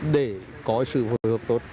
để có sự phối hợp tốt